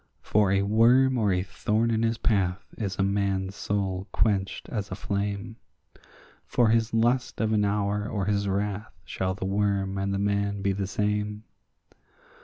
For a worm or a thorn in his path is a man's soul quenched as a flame; For his lust of an hour or his wrath shall the worm and the man be the same.